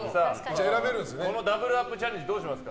このダブルアップチャレンジどうしますか？